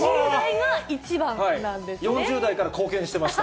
４０代から貢献してました。